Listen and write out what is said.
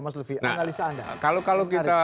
mas lufie analisa anda kalau kita